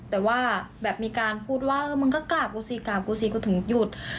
แต่ว่าแบบมีการพูดว่ามึงก็กราบกูสิกราบกูสิกูถึงหยุด